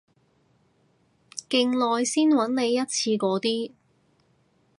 勁耐先搵你一次嗰啲